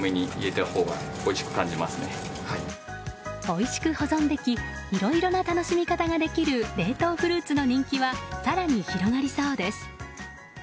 おいしく保存できいろいろな楽しみ方ができる冷凍フルーツの人気は更に広がりそうです。